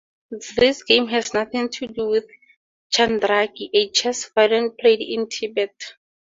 This game has nothing to do with Chandraki, a chess variant played in Tibet.